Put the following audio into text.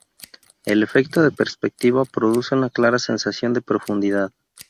El efecto de perspectiva produce una clara sensación de profundidad.